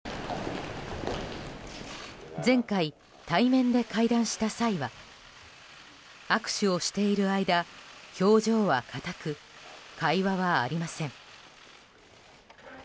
前回、対面で会談した際は握手をしている間表情は硬く、会話はありません。